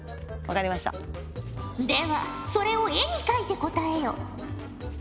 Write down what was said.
ではそれを絵に描いて答えよ。